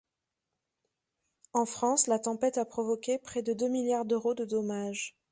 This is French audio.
En France, la tempête a provoqué près de deux milliards d'euros de dommages.